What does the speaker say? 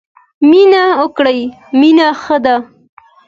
مینه وکړی مینه ښه ده.